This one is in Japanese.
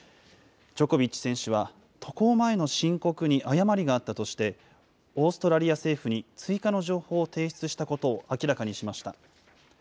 ジョコビッチ選手は、渡航前の申告に誤りがあったとして、オーストラリア政府に追加の情報を提出したことを明らかにしました。